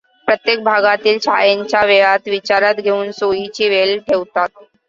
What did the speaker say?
प्रत्येक भागातील शाळांच्या वेळा विचारात घेऊन सोईची वेळ ठेवतात.